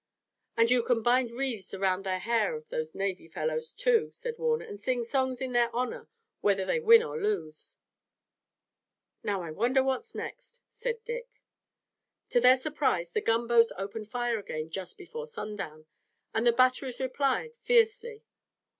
"And you can bind wreaths around the hair of those navy fellows, too," said Warner, "and sing songs in their honor whether they win or lose." "Now I wonder what's next," said Dick. To their surprise the gunboats opened fire again just before sundown, and the batteries replied fiercely.